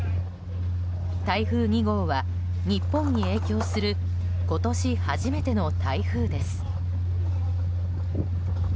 台風２号は日本に影響する今年初めての台風です。